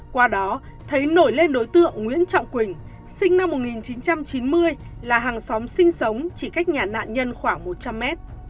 qua đó thấy nổi lên đối tượng nguyễn trọng quỳnh sinh năm một nghìn chín trăm chín mươi là hàng xóm sinh sống chỉ cách nhà nạn nhân khoảng một trăm linh mét